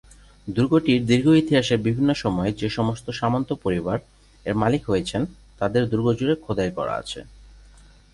দুর্গটির দীর্ঘ ইতিহাসের বিভিন্ন সময়ে যে সমস্ত সামন্ত পরিবার এর মালিক হয়েছেন, তাদের দুর্গ জুড়ে খোদাই করা আছে।